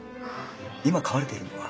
今飼われているのは？